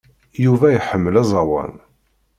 Yuba iḥemmel aẓawan.